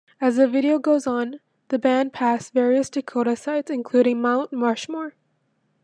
As the video goes on, the band pass various Dakota sights including Mount Rushmore.